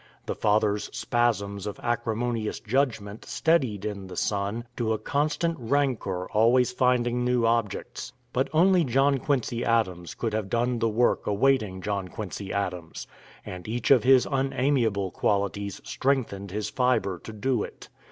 The father's spasms of acrimonious judgment steadied in the son to a constant rancor always finding new objects. But only John Quincy Adams could have done the work awaiting John Quincy Adams, and each of his unamiable qualities strengthened his fibre to do it.